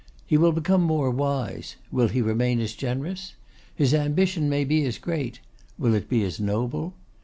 He will become more wise; will he remain as generous? His ambition may be as great; will it be as noble?